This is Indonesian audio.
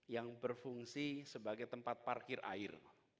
yang berfungsi sebagai tempat parkir air